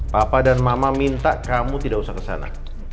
papa dan mama minta kamu tidak usah kesana